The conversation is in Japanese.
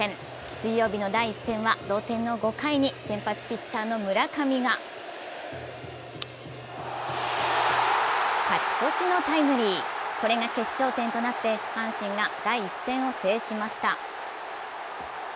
水曜日の第１戦は同点の５回に先発ピッチャーの村上が勝ち越しのタイムリー、これが決勝点となって阪神が第１戦を制しました。